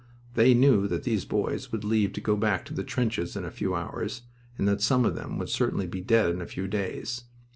They knew that these boys would leave to go back to the trenches in a few hours and that some of them would certainly be dead in a few days.